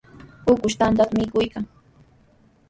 Ukush tantata mikuykan.